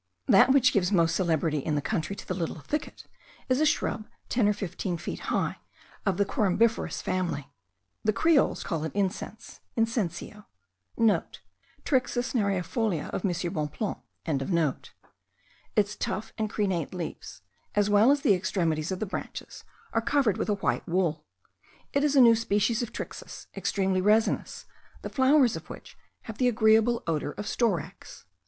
That which gives most celebrity in the country to the little thicket, is a shrub ten or fifteen feet high, of the corymbiferous family. The Creoles call it incense (incienso).* (* Trixis nereifolia of M. Bonpland.) Its tough and crenate leaves, as well as the extremities of the branches, are covered with a white wool. It is a new species of Trixis, extremely resinous, the flowers of which have the agreeable odour of storax.